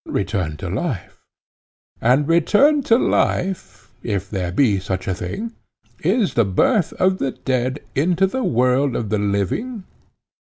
Return to life. And return to life, if there be such a thing, is the birth of the dead into the world of the living?